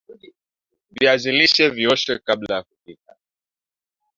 viazi lishe viOshwe kabla ya kupika